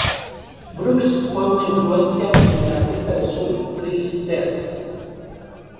Brooks fue una influencia en el artista de soul Reggie Sears.